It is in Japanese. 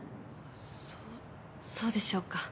そそうでしょうか？